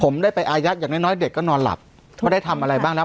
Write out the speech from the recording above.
ผมได้ไปอายัดอย่างน้อยน้อยเด็กก็นอนหลับว่าได้ทำอะไรบ้างแล้ว